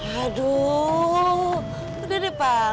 aduh udah deh pak